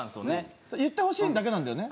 言ってほしいだけなんだよね。